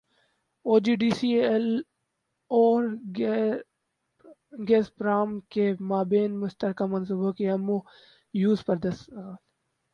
او G D C L اور Gazprom کے مابین مشترکہ منصوبوں کے ایم او یوز پر دستخط